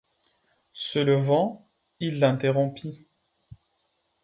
Se levant, il l'interrompit.